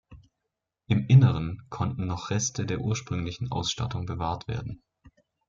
Im Inneren konnten noch Reste der ursprünglichen Ausstattung bewahrt werden.